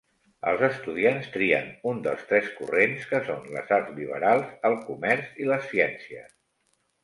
Els estudiants trien un dels tres corrents, que són les arts liberals, el comerç i les ciències.